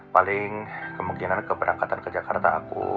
paling kemungkinan keberangkatan ke jakarta aku